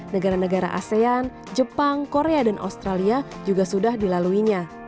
negara negara asean jepang korea dan australia juga sudah dilaluinya